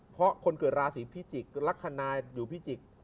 เพราะคนเกิดราศีพิจิกษ์ลักษณะอยู่พิจิกษ์